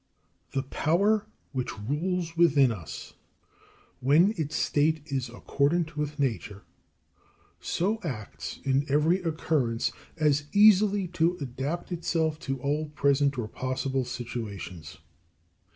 The power which rules within us, when its state is accordant with nature, so acts in every occurrence as easily to adapt itself to all present or possible situations.